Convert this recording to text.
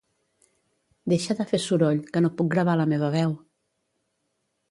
Deixa de fer soroll, que no puc gravar la meva veu.